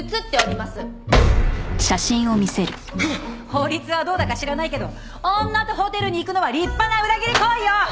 法律はどうだか知らないけど女とホテルに行くのは立派な裏切り行為よ！